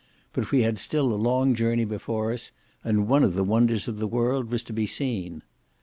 But we had still a long journey before us, and one of the wonders of the world was to be seen.